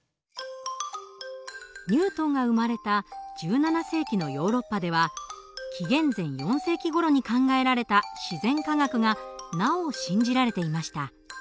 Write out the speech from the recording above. ニュートンが生まれた１７世紀のヨーロッパでは紀元前４世紀ごろに考えられた自然科学がなお信じられていました。